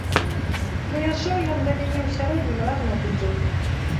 Прыязджаў ён да мяне ў сярэднім раз на тыдзень.